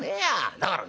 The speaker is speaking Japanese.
だからね